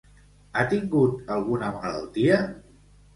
Ha tingut alguna malaltia?